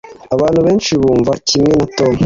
abantu benshi bumva kimwe na tom